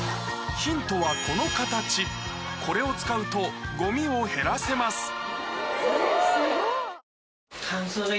ヒントはこの形これを使うとゴミを減らせます